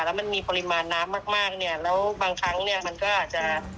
แล้วมันมีปริมาณน้ำมากมากเนี่ยแล้วบางครั้งเนี่ยมันก็อาจจะ